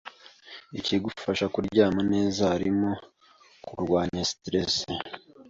Ikigufasha kuryama neza harimo kurwanya stress,